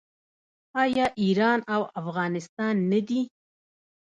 آیا ایران او افغانستان نه دي؟